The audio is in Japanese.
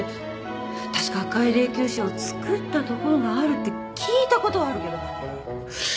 確か赤い霊きゅう車を造ったところがあるって聞いたことはあるけど今もあるのかしら？